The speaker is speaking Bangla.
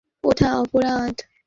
তুই জেনে কী করবি?